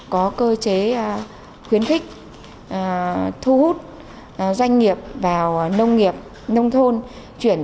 có cơ chế khuyến khích thu hút doanh nghiệp vào nông nghiệp nông thôn